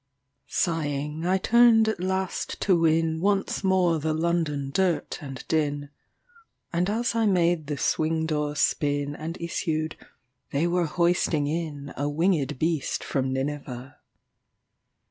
Sighing I turned at last to winOnce more the London dirt and din; And as I made the swing door spinAnd issued, they were hoisting inA wingèd beast from Nineveh.